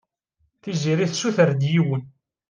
Tiziri tessuter-d yiwen.